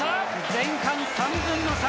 前半、３分の３。